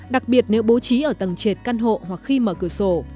đặc biệt nếu bố trí ở tầng trệt căn hộ hoặc khi mở cửa sổ